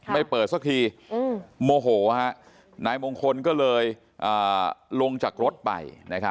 ไม่เปิดสักทีโมโหนายมงคลก็เลยลงจากรถไป